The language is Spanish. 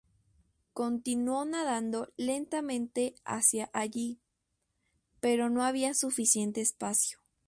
Continuó nadando lentamente hacia allí, pero no había suficiente espacio.